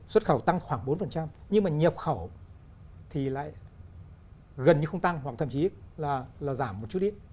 xuất khẩu tăng khoảng bốn nhưng mà nhập khẩu thì lại gần như không tăng hoặc thậm chí là giảm một chút lít